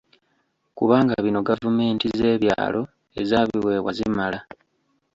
Kubanga bino gavumenti z'ebyalo ezabiweebwa zibimala.